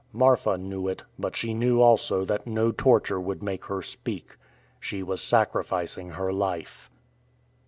Marfa knew it, but she knew also that no torture would make her speak. She was sacrificing her life.